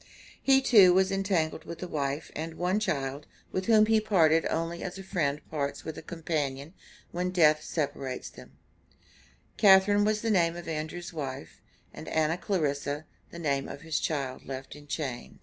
He too was entangled with a wife and one child, with whom he parted only as a friend parts with a companion when death separates them. Catharine was the name of Andrew's wife; and Anna Clarissa the name of his child left in chains. ARRIVAL FROM HOOPESVILLE, MD.